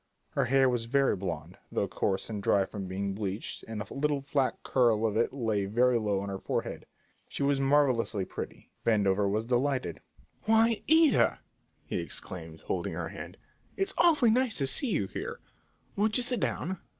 Her hair was very blond, though coarse and dry from being bleached, and a little flat curl of it lay very low on her forehead. She was marvellously pretty. Vandover was delighted. "Why, Ida!" he exclaimed, holding her hand; "it's awfully nice to see you here; won't you sit down?"